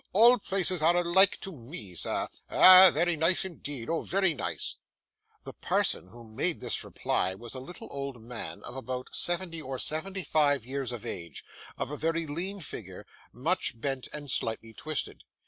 All places are alike to me, sir. Ah! very nice indeed. Oh! very nice!' The parson who made this reply was a little old man, of about seventy or seventy five years of age, of a very lean figure, much bent and slightly twisted.